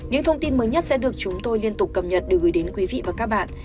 những thông tin mới nhất sẽ được chúng tôi liên tục cập nhật được gửi đến quý vị và các bạn